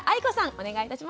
お願いいたします。